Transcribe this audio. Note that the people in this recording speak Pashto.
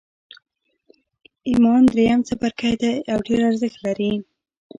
ایمان درېیم څپرکی دی او ډېر ارزښت لري